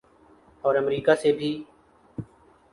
اور امریکہ سے بھی۔